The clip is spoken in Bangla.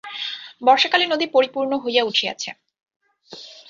বর্ষাকালে নদী পরিপূর্ণ হইয়া উঠিয়াছে।